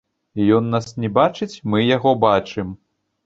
Ён нас не бачыць, мы яго бачым.